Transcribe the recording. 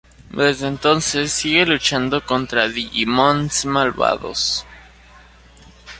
Desde entonces sigue luchando contra digimons malvados.